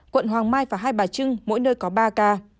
quận hoàng mai và hai bà trưng mỗi nơi có ba ca